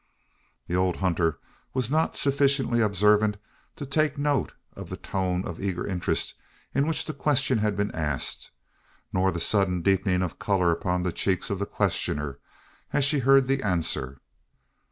The old hunter was not sufficiently observant to take note of the tone of eager interest in which the question had been asked, nor the sudden deepening of colour upon the cheeks of the questioner as she heard the answer.